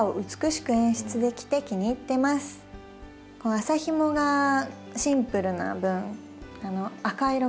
麻ひもがシンプルな分赤色が映えますね。